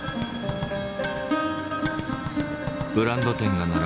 ブランド店が並ぶ